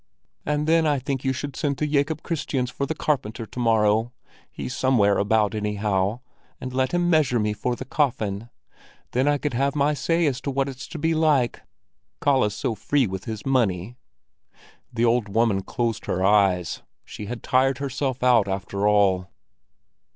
And then I think you should send to Jacob Kristian's for the carpenter to morrow—he's somewhere about, anyhow—and let him measure me for the coffin; then I could have my say as to what it's to be like. Kalle's so free with his money." The old woman closed her eyes. She had tired herself out, after all.